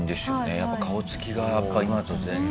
やっぱ顔つきが今と全然。